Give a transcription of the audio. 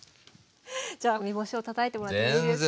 じゃあ梅干しをたたいてもらっていいですか？